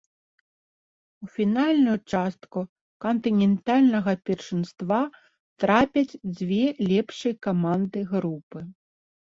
У фінальную частку кантынентальнага першынства трапяць дзве лепшыя каманды групы.